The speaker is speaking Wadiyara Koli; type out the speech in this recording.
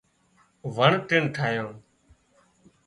وڻ ٽڻ ٺاهيان